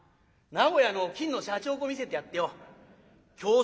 名古屋の金のしゃちほこ見せてやってよ京